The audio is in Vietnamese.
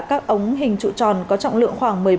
các ống hình trụ tròn có trọng lượng khoảng